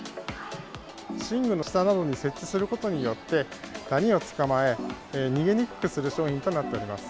寝具の下などに設置することによって、ダニを捕まえ、逃げにくくする商品となっております。